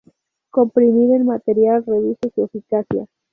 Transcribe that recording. Comprimir el material reduce su eficacia.